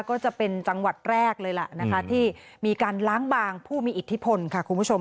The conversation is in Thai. ก็จะเป็นจังหวัดแรกเลยล่ะนะคะที่มีการล้างบางผู้มีอิทธิพลค่ะคุณผู้ชม